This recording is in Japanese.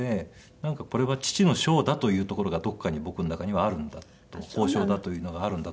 なんかこれは父の賞だというところがどこかに僕の中にはあるんだと褒章だというのがあるんだと思うので。